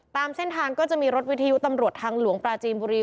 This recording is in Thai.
ตามเส้นทางก็จะมีรถวิทยุตำรวจทางหลวงปราจีนบุรี